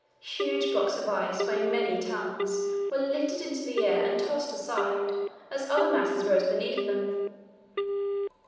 Huge blocks of ice, weighing many tons, were lifted into the air and tossed aside as other masses rose beneath them.